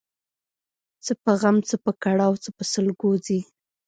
څه په غم ، څه په کړاو څه په سلګو ځي